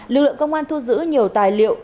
lực lượng công an thu giữ nhiều tài liệu